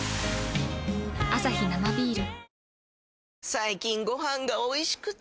最近ご飯がおいしくて！